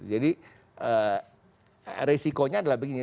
jadi resikonya adalah begini